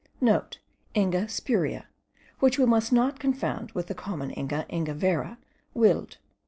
(* Inga spuria, which we must not confound with the common inga, Inga vera, Willd.